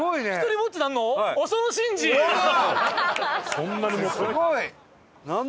そんなに持ってんの？